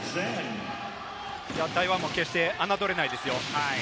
台湾も決して侮れないですよ。